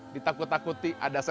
ditakut takuti ada setan